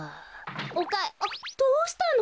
おかあっどうしたの？